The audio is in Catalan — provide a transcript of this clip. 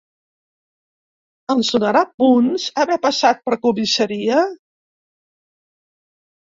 Ens donarà punts, haver passat per comissaria?